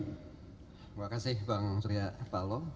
terima kasih bang surya paloh